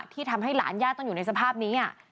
ที่ทำให้หลานญาติต้องอยู่ในสภาพนี้